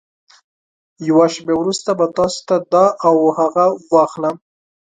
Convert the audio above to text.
يوه شېبه وروسته به تاسې ته دا او هغه واخلم.